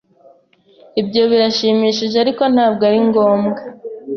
Ibyo birashimishije, ariko ntabwo ari ngombwa.